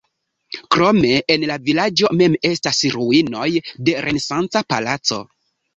Krome en la vilaĝo mem estas ruinoj de renesanca palaco.